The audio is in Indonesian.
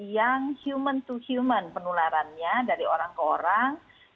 yang human to human penularannya dari orang ke orang